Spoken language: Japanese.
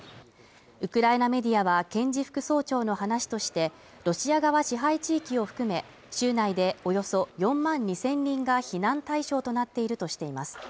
ウクライナメディアは検事副総長の話としてロシア側支配地域を含め州内でおよそ４万２０００人が避難対象となっているとしています。